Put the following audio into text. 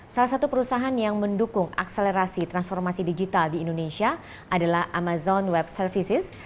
salah satu perusahaan yang mendukung akselerasi transformasi digital di indonesia adalah amazon web services